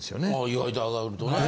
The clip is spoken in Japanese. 意外と上がるとね。